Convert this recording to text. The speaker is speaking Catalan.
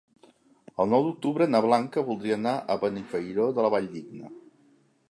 El nou d'octubre na Blanca voldria anar a Benifairó de la Valldigna.